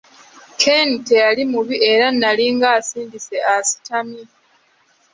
Ken teyali mubi era nali ng'asindise asitamye.